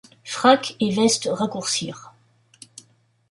Fracs et vestes raccourcirent.